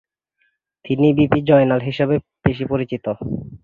তিনি ভিপি জয়নাল হিসাবে বেশি পরিচিত।